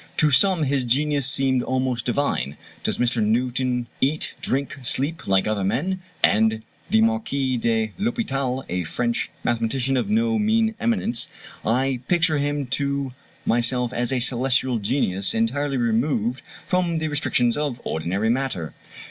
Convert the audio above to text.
To some his genius seemed almost divine. "Does Mr. Newton eat, drink, sleep, like other men?" said the Marquis de l'Hôpital, a French mathematician of no mean eminence; "I picture him to myself as a celestial genius, entirely removed from the restrictions of ordinary matter."